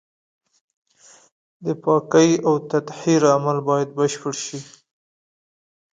د پاکۍ او تطهير عمل بايد بشپړ شي.